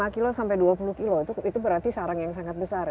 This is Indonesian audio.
lima kilo sampai dua puluh kilo itu berarti sarang yang sangat besar ya